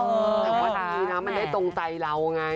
แต่ว่าดีนะมันได้ตรงใจเราไง